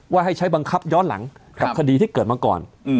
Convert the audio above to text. ให้ใช้บังคับย้อนหลังกับคดีที่เกิดมาก่อน